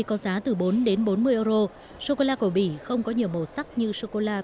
tôi sẽ ăn sô cô la